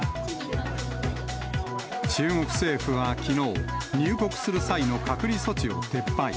中国政府はきのう、入国する際の隔離措置を撤廃。